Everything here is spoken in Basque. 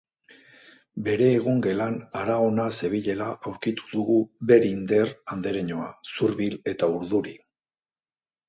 Bere egongelan hara-hona zebilela aurkitu dugu Verinder andereñoa, zurbil eta urduri.